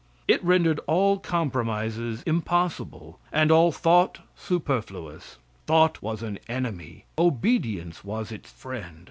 It rendered all compromises impossible, and all thought superfluous. Thought was an enemy, obedience was its friend.